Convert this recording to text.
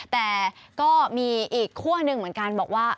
แต่ก็มีอีกขั้วหนึ่งเหมือนกันบอกว่า